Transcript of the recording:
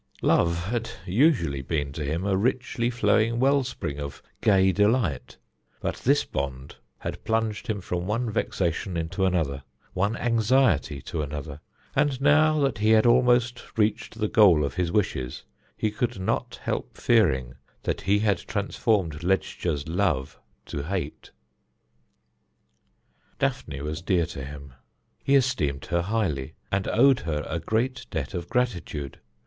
Love had usually been to him a richly flowing well spring of gay delight, but this bond had plunged him from one vexation into another, one anxiety to another, and now that he had almost reached the goal of his wishes, he could not help fearing that he had transformed Ledscha's love to hate. Daphne was dear to him. He esteemed her highly, and owed her a great debt of gratitude.